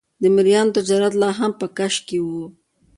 د مریانو تجارت لا هم په کش کې و.